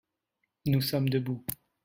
nous sommes debout.